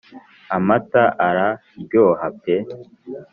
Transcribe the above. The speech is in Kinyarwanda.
amata ara ryoha pe